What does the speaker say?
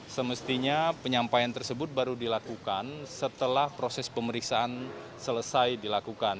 semestinya penyampaian tersebut baru dilakukan setelah proses pemeriksaan selesai dilakukan